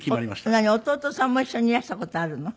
弟さんも一緒にいらした事あるの？